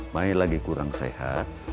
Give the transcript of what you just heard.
mai lagi kurang sehat